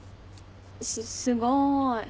すすごい。